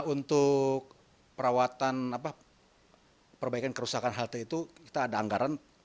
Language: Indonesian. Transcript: untuk perawatan perbaikan kerusakan halte itu kita ada anggaran